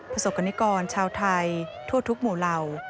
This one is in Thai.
ประสบกรณิกรชาวไทยทั่วทุกหมู่เหล่า